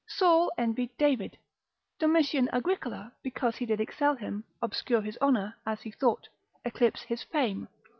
Saul envied David; Domitian Agricola, because he did excel him, obscure his honour, as he thought, eclipse his fame.